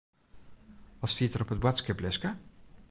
Wat stiet der op it boadskiplistke?